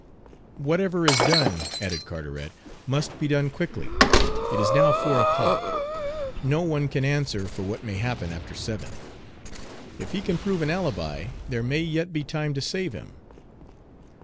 "Whatever is done," added Carteret, "must be done quickly. It is now four o'clock; no one can answer for what may happen after seven. If he can prove an alibi, there may yet be time to save him.